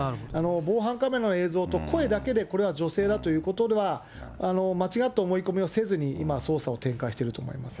防犯カメラの映像と声だけで、これは女性だということは、間違った思い込みをせずに今、捜査を展開していると思いますね。